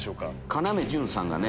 要潤さんがね